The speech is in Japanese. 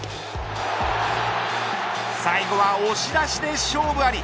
最後は押し出しで勝負あり。